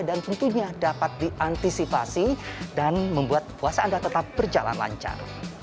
dan tentunya dapat diantisipasi dan membuat puasa anda tetap berjalan lancar